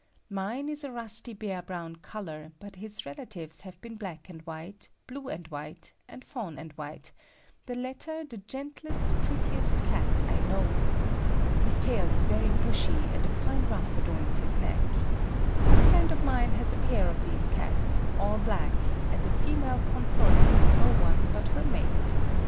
Mine is a rusty bear brown colour, but his relatives have been black and white, blue and white, and fawn and white, the latter the gentlest, prettiest Cat I know. His tail is very bushy and a fine ruff adorns his neck. A friend of mine has a pair of these Cats, all black, and the female consorts with no one but her mate.